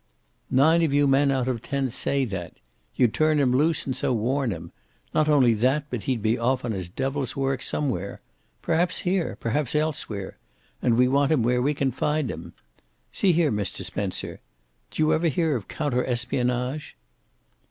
"Nine of you men out of ten say that. You'd turn him loose and so warn him. Not only that, but he'll be off on his devil's work somewhere. Perhaps here. Perhaps elsewhere. And we want him where we can find him. See here, Mr. Spencer, d'you ever hear of counter espionage?"